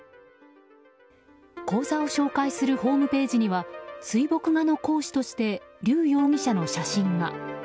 講座を紹介するホームページには水墨画の講師としてリュウ容疑者の写真が。